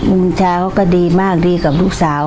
อุ้มชาเขาก็ดีมากดีกว่าลูกสาว